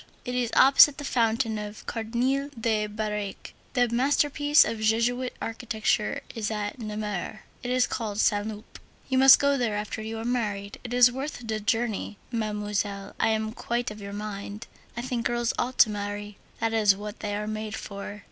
It is opposite the fountain of Cardinal de Birague. The masterpiece of Jesuit architecture is at Namur. It is called Saint Loup. You must go there after you are married. It is worth the journey. Mademoiselle, I am quite of your mind, I think girls ought to marry; that is what they are made for.